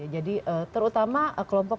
jadi terutama kelompok